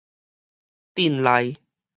鎮內